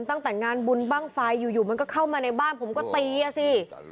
ตั้งแต่งานบุญบ้างไฟอยู่มันก็เข้ามาในบ้านผมก็ตีอ่ะสิ